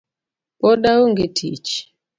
Pod aonge tich